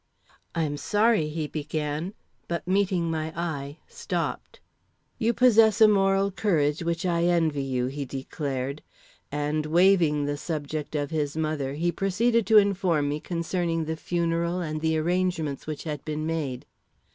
"I am sorry " he began, but meeting my eye, stopped. "You possess a moral courage which I envy you," he declared. And waiving the subject of his mother, he proceeded to inform me concerning the funeral and the arrangements which had been made.